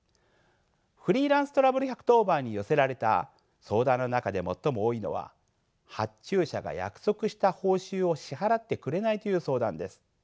フリーランス・トラブル１１０番に寄せられた相談の中で最も多いのは発注者が約束した報酬を支払ってくれないという相談です。